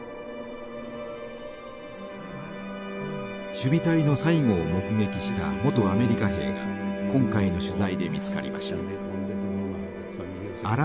守備隊の最後を目撃した元アメリカ兵が今回の取材で見つかりました。